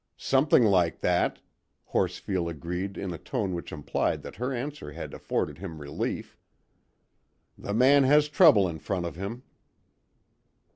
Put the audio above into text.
"Something like that," Horsfield agreed in a tone which implied that her answer had afforded him relief. "The man has trouble in front of him."